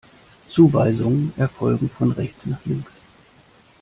Zuweisungen erfolgen von rechts nach links.